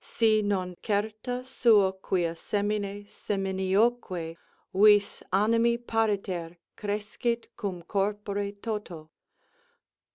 Si non certa suo quia semine seminioque Vis animi pariter crescit cum corpore toto.